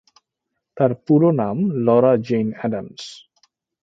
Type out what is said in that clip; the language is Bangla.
তার পুরো নাম লরা জেইন অ্যাডামস।